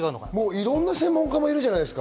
いろんな専門家がいるじゃないですか